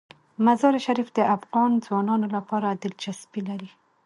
مزارشریف د افغان ځوانانو لپاره دلچسپي لري.